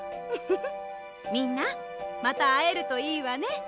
ウフフみんなまたあえるといいわね。